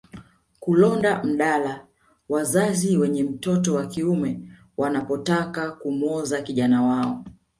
Kulonda mdala wazazi wenye mtoto wa kiume wanapotaka kumwoza kijana wao